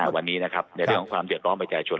วันนี้ในเรื่องของความเดี๋ยวร้องประชาชน